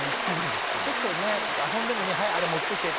ちょっとね遊んでるのに「はいあれ持ってきて」って言うとね